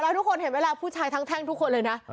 เราทุกคนเห็นเวลาผู้ชายแท่งทุกคนเลยนะ